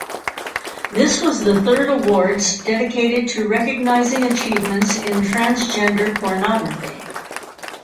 This was the third awards dedicated to recognising achievements in transgender pornography.